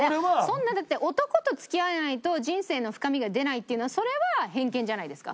そんなだって男と付き合えないと人生の深みが出ないっていうのはそれは偏見じゃないですか。